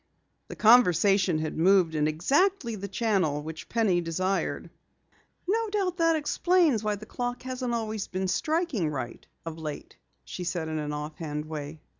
The conversation had moved in exactly the channel which Penny desired. "No doubt that explains why the clock hasn't always been striking right of late," she said in an offhand way.